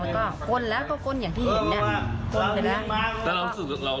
แล้วก็ก้นแล้วก็ก้นอย่างที่เห็นเนี่ยเพราะว่าว่ากำลังยังว้าง